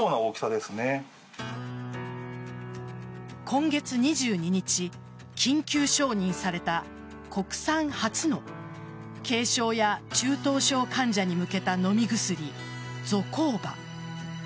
今月２２日、緊急承認された国産初の軽症や中等症患者に向けた飲み薬ゾコーバ。